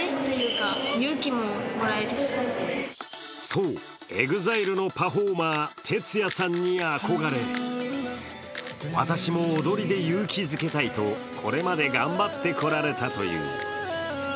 そう、ＥＸＩＬＥのパフォーマー、ＴＥＴＳＵＹＡさんに憧れ、私も踊りで勇気づけたいと、これまで頑張ってこられたという。